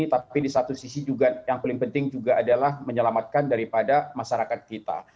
tapi di satu sisi juga yang paling penting juga adalah menyelamatkan daripada masyarakat kita